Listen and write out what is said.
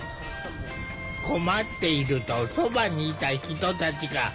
困っているとそばにいた人たちが集まってきた。